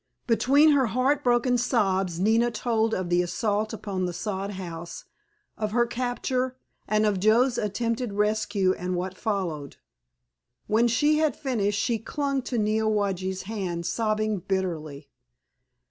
Between her heartbroken sobs Nina told of the assault upon the sod house, of her capture, and of Joe's attempted rescue and what followed. When she had finished she clung to Neowage's hand sobbing bitterly.